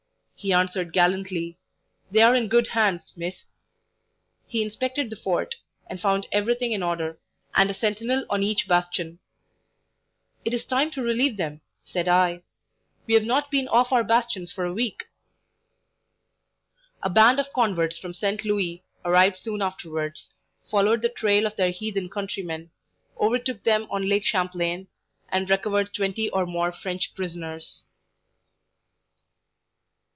He answered gallantly: 'They are in good hands, Miss.' He inspected the fort, and found everything in order, and a sentinel on each bastion. 'It is time to relieve them,' said I; 'we have not been off our bastions for a week.'" A band of converts from St. Louis arrived soon afterwards, followed the trail of their heathen countrymen, overtook them on Lake Champlain, and recovered twenty or more French prisoners.